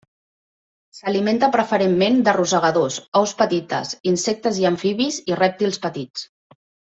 S'alimenta preferentment de rosegadors, aus petites, insectes i amfibis i rèptils petits.